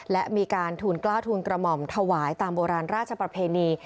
และมีการทูลกล้าทูลกระหม่อมถวายตามโบราณราชประเพณี